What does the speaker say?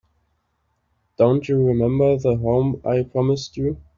Don't you remember the home I promised you?